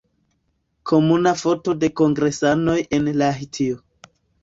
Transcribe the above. Komuna foto de kongresanoj en Lahtio.